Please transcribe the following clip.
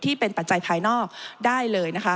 ที่เป็นปัจจัยภายนอกได้เลย